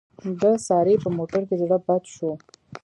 د سارې په موټر کې زړه بد شو.